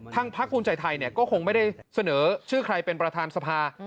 พักภูมิใจไทยก็คงไม่ได้เสนอชื่อใครเป็นประธานสภา